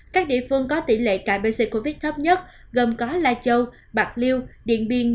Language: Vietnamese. các địa phương có tỷ lệ cài pc covid thấp nhất gồm có lai châu bạc liêu điện biên